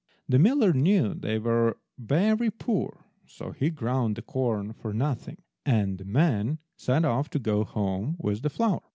The miller knew they were very poor, so he ground the corn for nothing, and the man set off to go home with the flour.